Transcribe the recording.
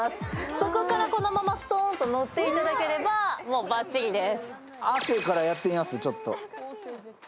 そこからこのままストンと乗っていただければもうばっちりです。